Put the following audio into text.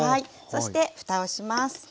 そしてふたをします。